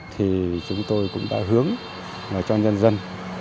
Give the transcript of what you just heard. thì chúng tôi cũng đã hướng cho nhân dân